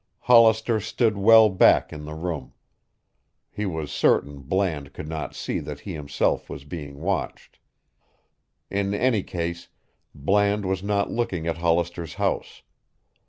Hollister stood well back in the room. He was certain Bland could not see that he himself was being watched. In any case, Bland was not looking at Hollister's house.